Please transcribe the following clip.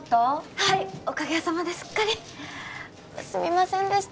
はいおかげさまですっかりすみませんでした